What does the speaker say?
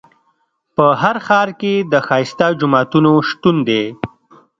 په هر ښار کې د ښایسته جوماتونو شتون دی.